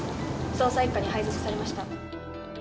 捜査一課に配属されました。